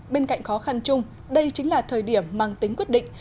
bên cạnh khó khăn chung đây chính là thời điểm mang tính quyết định